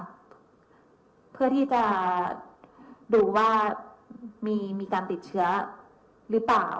เพื่อที่จะดูว่ามีการติดเชื้อหรือเปล่า